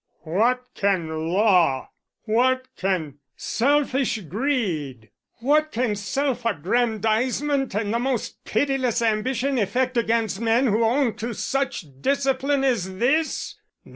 "What can law, what can selfish greed, what can self aggrandizement and the most pitiless ambition effect against men who own to such discipline as this?